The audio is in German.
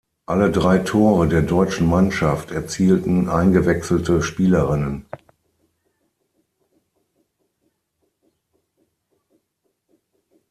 Alle drei Tore der deutschen Mannschaft erzielten eingewechselte Spielerinnen.